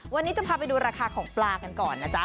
วันนี้จะพาไปดูราคาของปลากันก่อนนะจ๊ะ